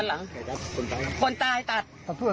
หวังว่าจะเลยแบบนี้แหน่ง